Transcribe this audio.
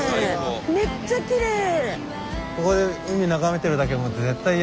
めっちゃきれい！